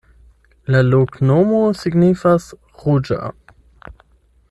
La loknomo signifas: ruĝa.